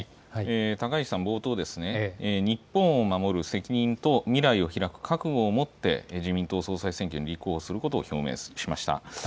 高市さん、冒頭、日本を守る責任と未来をひらく覚悟を持って自民党総裁選挙に立候補することを表明しました。